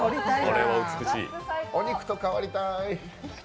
お肉と変わりたい。